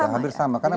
hampir sama ya